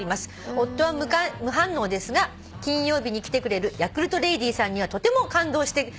「夫は無反応ですが金曜日に来てくれるヤクルトレディさんにはとても感動してもらっております。